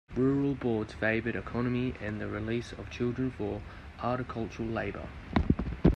Rural boards favoured economy and the release of children for agricultural labour.